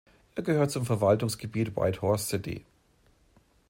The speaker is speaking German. Er gehört zum Verwaltungsgebiet Whitehorse City.